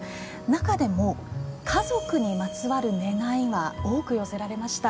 中でも、家族にまつわる願いが多く寄せられました。